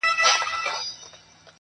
تاسي ځئ ما مي قسمت ته ځان سپارلی؛